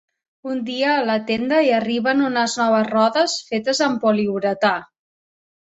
Un dia a la tenda hi arriben unes noves rodes fetes amb poliuretà.